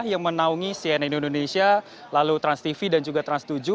yang menaungi cnn indonesia lalu transtv dan juga trans tujuh